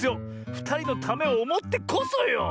ふたりのためをおもってこそよ！